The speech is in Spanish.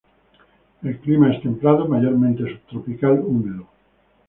El clima es templado, mayormente subtropical húmedo.